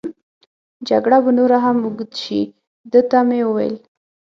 جګړه به نوره هم اوږد شي، ده ته مې وویل.